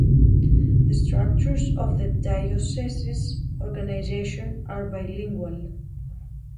The structures of the diocese's organization are bilingual.